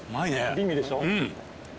美味でしょ？